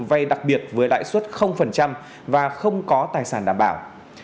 vay đặc biệt với lãi suất và không có tài sản đảm bảo